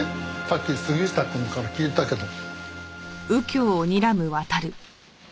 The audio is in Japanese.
さっき杉下くんから聞いたけど。